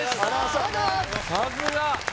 さすが！